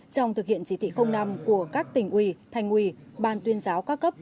trong thực hiện chỉ thị năm của các tỉnh ủy thành ủy ban tuyên giáo các cấp